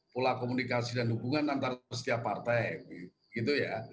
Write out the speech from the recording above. pola komunikasi dan hubungan antara setiap partai gitu ya